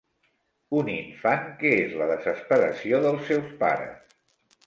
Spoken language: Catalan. Un infant que és la desesperació dels seus pares.